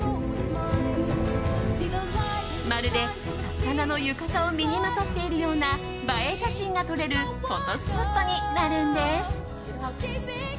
まるで魚の浴衣を身にまとっているような映え写真が撮れるフォトスポットになるんです。